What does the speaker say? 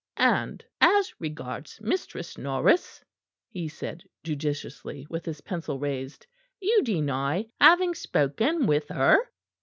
"And as regards Mistress Norris," he said judicially, with his pencil raised, "you deny having spoken with her?"